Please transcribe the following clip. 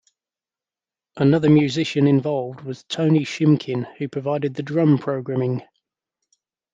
Another musician involved was Tony Shimkin, who provided the drum programming.